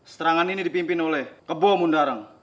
serangan ini dipimpin oleh kebom undarang